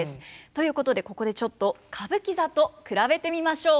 ということでここでちょっと歌舞伎座と比べてみましょう。